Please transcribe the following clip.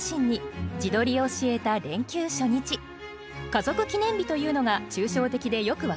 「家族記念日」というのが抽象的でよく分かりません。